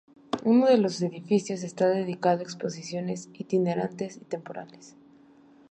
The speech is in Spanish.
Uno de los dos edificios está dedicado a exposiciones itinerantes y temporales.